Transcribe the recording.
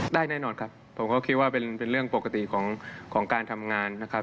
แน่นอนครับผมก็คิดว่าเป็นเรื่องปกติของการทำงานนะครับ